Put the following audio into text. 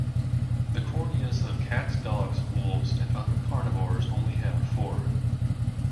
The corneas of cats, dogs, wolves, and other carnivores only have four.